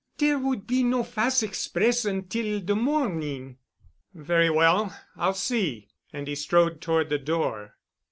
Dere would be no fas' express until de morning." "Very well. I'll see." And he strode toward the door.